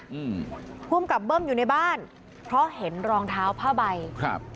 อืมภูมิกับเบิ้มอยู่ในบ้านเพราะเห็นรองเท้าผ้าใบครับ